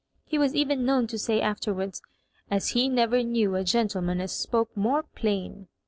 He was even known to say afterwards, "As he never knew a gentleman as spoke more plain."